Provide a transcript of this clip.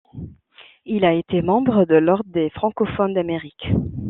Il a été membre de l'ordre des francophones d'Amérique.